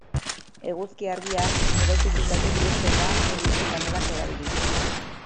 Eguzki argia, elektrizitate bihurtzen da eguzki panelak erabiliz.